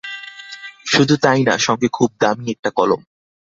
শুধু তাই না, সঙ্গে খুব দামী একটা কলম।